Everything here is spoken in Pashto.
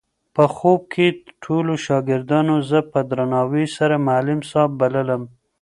په خوب کې ټولو شاګردانو زه په درناوي سره معلم صاحب بللم.